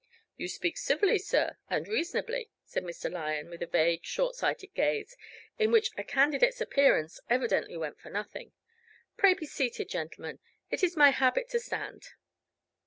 "You speak civilly, sir, and reasonably," said Mr. Lyon, with a vague short sighted gaze, in which a candidate's appearance evidently went for nothing. "Pray be seated, gentlemen. It is my habit to stand."